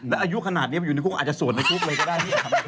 อายุขนาดนี้อยู่ในครุกอาจโสดในครุกเลยก็ได้